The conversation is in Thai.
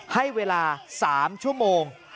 ให้เวลา๓ชั่วโมง